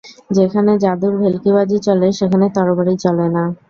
যেখানে জাদুর ভেল্কিবাজি চলে সেখানে তরবারি চলে না।